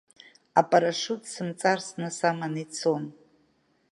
Апарашут сымҵарсны саманы ицон.